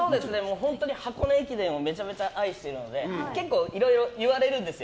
本当に箱根駅伝をめちゃめちゃ愛してるので結構、いろいろ言われるんですよ。